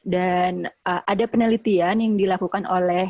dan ada penelitian yang dilakukan